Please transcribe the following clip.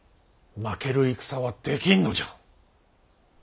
負ける戦はできんのじゃ。